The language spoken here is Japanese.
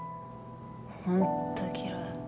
本当嫌い。